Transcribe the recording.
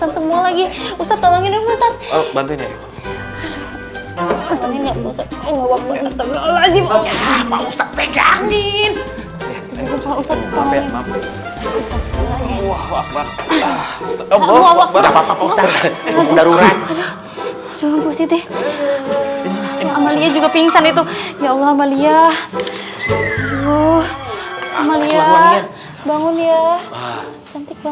amelnya jadi pingsan begitu